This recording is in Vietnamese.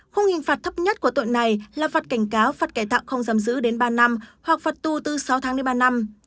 khung hình phạt thấp nhất của tội này là phạt cảnh cáo phạt cải tạo không giam giữ đến ba năm hoặc phạt tù từ sáu tháng đến ba năm